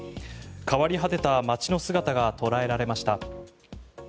変わり果てた街の姿が捉えられました。